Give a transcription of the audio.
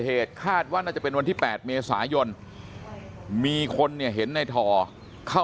เหตุคาดว่าน่าจะเป็นวันที่๘เมษายนมีคนเนี่ยเห็นในทอเข้า